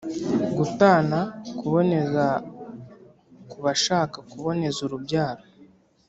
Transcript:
gutana kuboneza kubashaka kuboneza urubyaro